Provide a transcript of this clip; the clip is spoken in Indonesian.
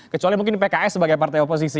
kecuali mungkin pks sebagai partai oposisi